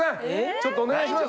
ちょっとお願いします。